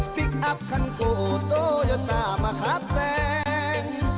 ฟิกอัพคันโกโตโยตามาครับแสง